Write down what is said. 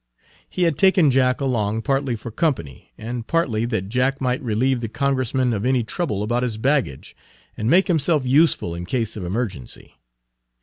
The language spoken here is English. He had taken Jack along, partly for company, and partly that Jack might relieve the Congressman of any trouble about his baggage, and make himself useful in case of emergency.